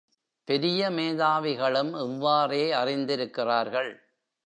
பெரிய மேதாவிகளும் இவ்வாறே அறிந்திருக்கிறார்கள்.